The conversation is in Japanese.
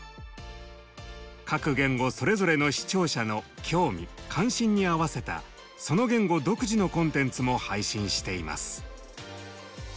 各言語それぞれの視聴者の興味関心に合わせたその言語独自のコンテンツも配信しています。